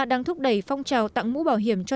đang thúc đẩy phong trào tặng mũ bảo hiểm cho